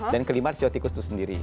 dan kelima sio tikus itu sendiri